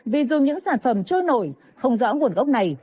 vì dùng những sản phẩm trôi nổi không rõ nguồn gốc này